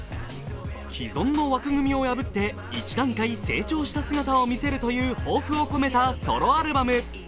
既存の枠組みを破って一段階成長した姿を見せるという抱負を込めたソロアルバム。